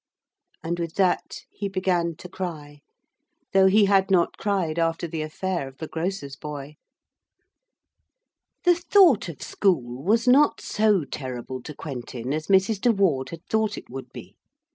And with that he began to cry, though he had not cried after the affair of the grocer's boy. The thought of school was not so terrible to Quentin as Mrs. de Ward had thought it would be.